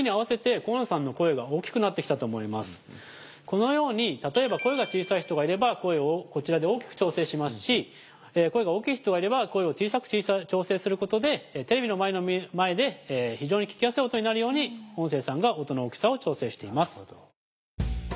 河野さんの声が大きくなって来たと思います・・このように例えば声が小さい人がいれば声をこちらで大きく調整しますし声が大きい人がいれば声を小さく調整することでテレビの前で非常に聞きやすい音になるように音声さんが音の大きさを調整しています・